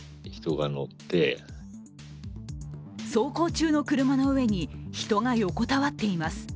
走行中の車の上に人が横たわっています。